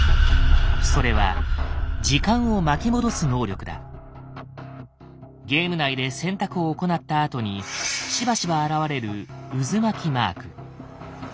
それはゲーム内で選択を行ったあとにしばしば現れる「渦巻きマーク」。